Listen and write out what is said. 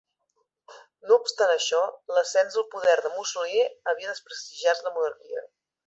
No obstant això, l'ascens al poder de Mussolini havia desprestigiat la monarquia.